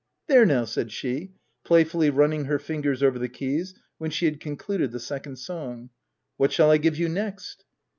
" There now f f said she, playfully running her fingers over the keys, when she had con cluded the second song. " What shall I give you next